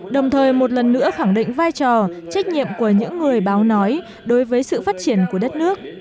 đồng thời một lần nữa khẳng định vai trò trách nhiệm của những người báo nói đối với sự phát triển của đất nước